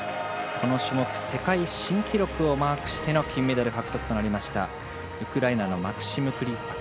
この種目、世界新記録をマークしての金メダルとなりましたウクライナのマクシム・クリパク。